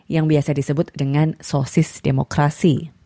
yang biasa disebut dengan sosis demokrasi